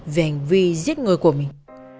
về hành vi giết người của mình